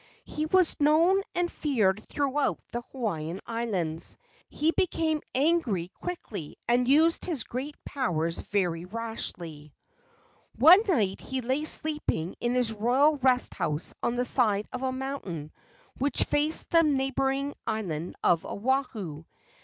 He was known and feared throughout all the Hawaiian Islands. He became angry quickly and used his great powers very rashly. A GIANTS ROCK THROWING 23 One night he lay sleeping in his royal rest house on the side of a mountain which faced the neighboring island of Oahu.